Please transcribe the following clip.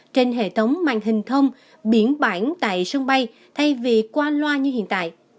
trên hệ thống màn hình thông biển bản tại sân bay thay vì qua loa như hiện tại